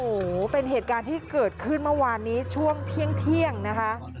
โอ้โหเป็นเหตุการณ์ที่เกิดขึ้นเมื่อวานนี้ช่วงเที่ยงนะคะ